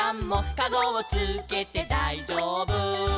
「かごをつけてだいじょうぶ」